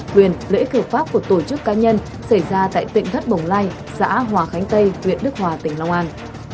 quyền lợi ích hợp pháp của tổ chức cá nhân xảy ra tại tỉnh thất bồng lai xã hòa khánh tây huyện đức hòa tỉnh long an